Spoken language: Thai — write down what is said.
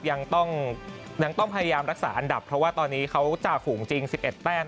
ยังต้องพยายามรักษาอันดับเพราะว่าตอนนี้เขาจ่าฝูงจริง๑๑แต้ม